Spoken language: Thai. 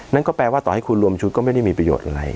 นั่นก็แปลว่าต่อให้คุณรวมชุดก็ไม่ได้มีประโยชน์อะไร